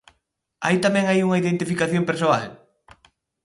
Hai tamén aí unha identificación persoal?